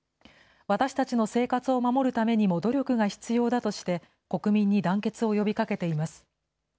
私たちの生活を守るためにも努力が必要だとして、国民に団結を呼びかけています。